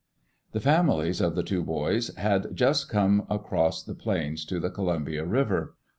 The families of the two boys had just come across the plains to the Columbia River.